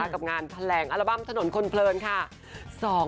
กับงานแถลงอัลบั้มถนนคนเพลินค่ะ